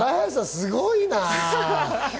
すごいな。